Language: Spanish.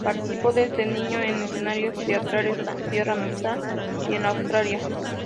Participó desde niño en escenarios teatrales de su tierra natal y en Australia.